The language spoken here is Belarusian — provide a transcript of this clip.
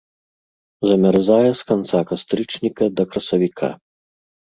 Замярзае з канца кастрычніка да красавіка.